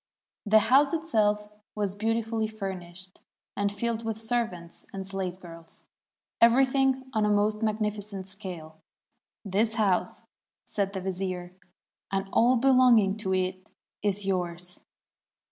The house itself was beautifully furnished, and filled with servants and slave girls — everything on a most magnificent scale. 'This house,' said the vizier, 'and all belonging to it is yours.'